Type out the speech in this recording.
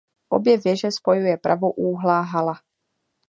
Obě věže spojuje pravoúhlá hala.